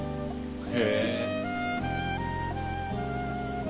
へえ。